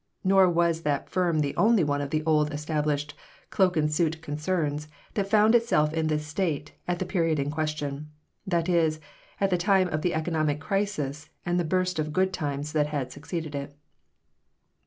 Nor was that firm the only one of the old established cloak and suit concerns that found itself in this state at the period in question that is, at the time of the economic crisis and the burst of good times that had succeeded it.